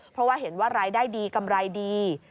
เพราะว่าเห็นว่ารายได้ดีกำไรดี